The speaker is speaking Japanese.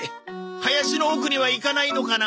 林の奥には行かないのかな？